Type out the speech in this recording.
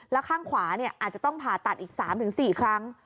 แล้วข้างขวาอาจจะต้องผ่าตัดอีก๓๔ครั้ง